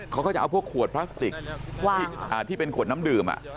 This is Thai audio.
เขาก็จะเอาพวกขวดพลาสติกที่เป็นขวดน้ำดื่ม